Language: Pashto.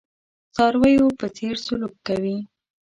څارویو په څېر سلوک کوي.